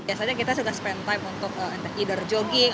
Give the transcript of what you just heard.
biasanya kita sudah spend time untuk either jogging